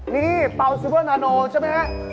นี่เป่าซิเวอร์นาโนใช่ไหมฮะ